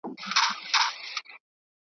دوی به دواړه وي سپاره اولس به خر وي .